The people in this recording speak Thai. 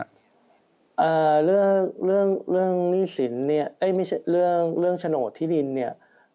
อ่าเรื่องเรื่องรี่สินเนี่ย